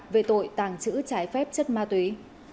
về tội tàng trữ trái phép chất ma túy